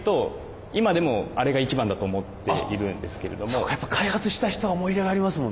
そっか開発した人は思い入れがありますもんね。